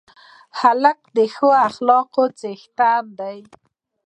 هلک د ښه اخلاقو څښتن دی.